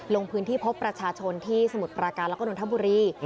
ลงพื้นที่พบประชาชนที่สมุทรปราการแล้วก็นนทบุรี